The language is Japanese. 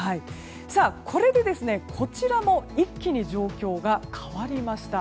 これで、こちらも一気に状況が変わりました。